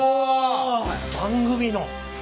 番組の！